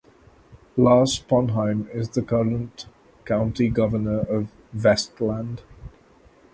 Lars Sponheim is the current County Governor of Vestland.